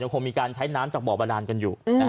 คงมีการใช้น้ำจากบ่อบาดานกันอยู่